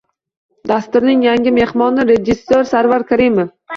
Dasturning yangi mehmoni - rejissyor Sarvar Karimov